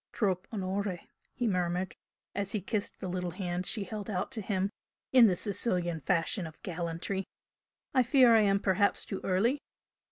"Tropp' onore!" he murmured, as he kissed the little hand she held out to him in the Sicilian fashion of gallantry "I fear I am perhaps too early?"